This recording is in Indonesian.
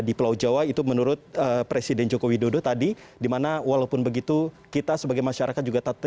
itu memang menammati individu